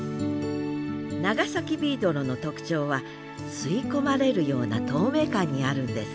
長崎ビードロの特徴は吸い込まれるような透明感にあるんです